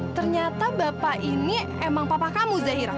ternyata bapak ini emang papa kamu zahira